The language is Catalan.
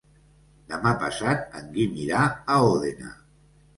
Demà passat en Guim irà a Òdena.